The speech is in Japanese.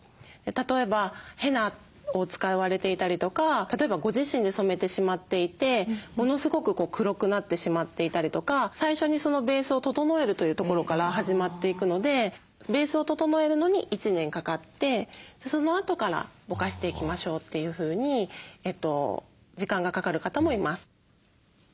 例えばヘナを使われていたりとか例えばご自身で染めてしまっていてものすごく黒くなってしまっていたりとか最初にベースを整えるというところから始まっていくのでベースを整えるのに１年かかってそのあとからぼかしていきましょうというふうに時間がかかる方もいます。